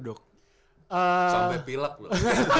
durasinya berapa lama tuh dok